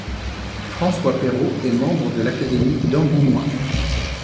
François Pairault est membre de l'Académie d'Angoumois.